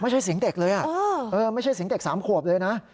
ไม่ใช่สิงห์เด็กเลยไม่ใช่สิงห์เด็กสามขวบเลยนะ